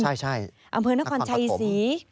ใช่ใช่อำเภอนครปฐม